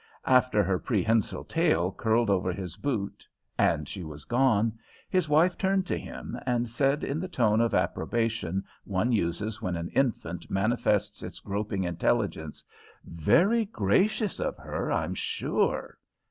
After her prehensile train curled over his boot and she was gone, his wife turned to him and said in the tone of approbation one uses when an infant manifests its groping intelligence, "Very gracious of her, I'm sure!"